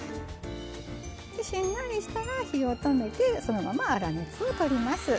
しんなりしたら火を止めてそのまま粗熱をとります。